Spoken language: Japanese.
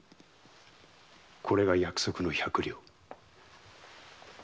これが約束の百両。